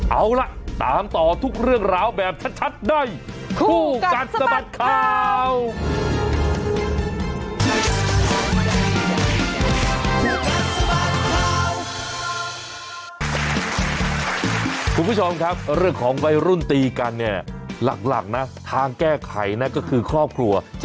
เอาล่ะตามต่อทุกเรื่องราวแบบชัดในคู่กัดสะบัดข่าว